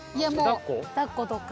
抱っことか。